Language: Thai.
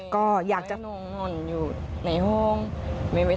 ก็อยากจะ